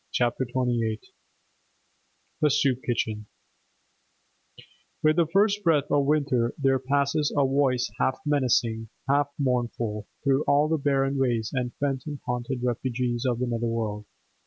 CHAPTER XXVIII THE SOUP KITCHEN With the first breath of winter there passes a voice half menacing, half mournful, through all the barren ways and phantom haunted refuges of the nether world.